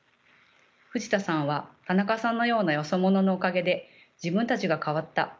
藤田さんは「田中さんのようなよそ者のおかげで自分たちが変わった。